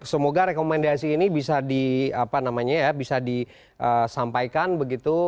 semoga rekomendasi ini bisa di apa namanya ya bisa disampaikan begitu